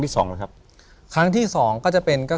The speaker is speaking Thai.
ถูกต้องไหมครับถูกต้องไหมครับ